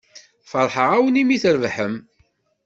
Feṛḥeɣ-awen mi trebḥem.